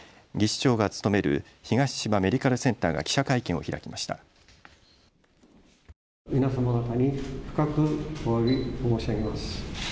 長が勤める東千葉メディカルセンターが記者会見を開きました。